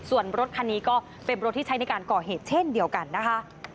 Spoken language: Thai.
ส่วนรถคันนี้ก็เป็นรถที่ใช้ในการก่อเหตุเช่นเดียวกันนะคะ